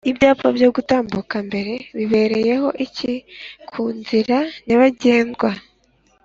Ibyapa byo gutambuka mbere bibereyeho iki?ku inzira nyabagendwa